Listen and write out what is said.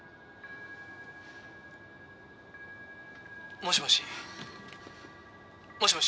「もしもし？もしもし？」